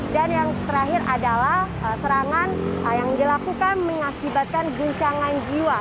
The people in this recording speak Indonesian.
dan yang terakhir adalah serangan yang dilakukan mengakibatkan guncangan jiwa